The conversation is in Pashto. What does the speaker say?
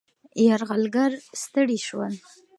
یرغلګر ستړي شول.